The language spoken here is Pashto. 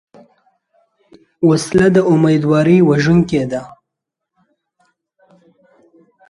وسله د امیدواري وژونکې ده